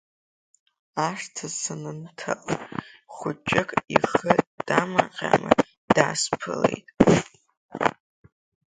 Ашҭа санынҭала, хәыҷык ихы дамаҟьаӡа даасԥылеит.